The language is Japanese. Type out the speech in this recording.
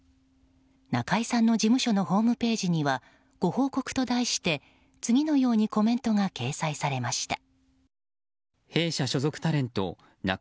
中居さんの事務所のホームページにはご報告と題して次のようにコメントが掲載されました。